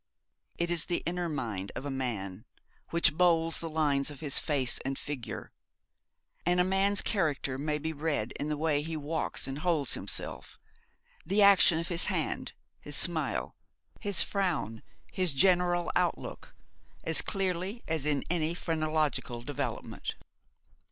It is the inner mind of a man which moulds the lines of his face and figure; and a man's character may be read in the way he walks and holds himself, the action of his hand, his smile, his frown, his general outlook, as clearly as in any phrenological development.